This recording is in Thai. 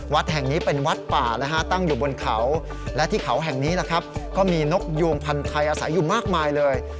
วัดแห่งนี้เป็นวัดป่านะฮะตั้งอยู่บนเขาและที่เขาแห่งนี้นะครับก็มีนกยูงพันธ์ไทยอาศัยอยู่มากมายเลย